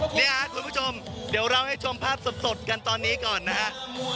นี่ครับคุณผู้ชมเดี๋ยวเราให้ชมภาพสดกันตอนนี้ก่อนนะฮะ